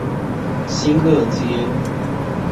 新樂街